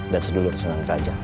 dan sedulur sunan derajat